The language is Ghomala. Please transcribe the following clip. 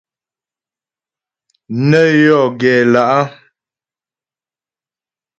Nə́ yɔ gɛ lá'.